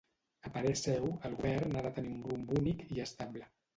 A parer seu, el govern ha de tenir un ‘rumb únic’ i estable.